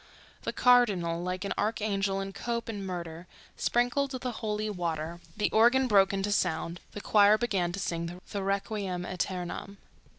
The cardinal, like an archangel in cope and mitre, sprinkled the holy water; the organ broke into sound; the choir began to sing the Requiem Eternam.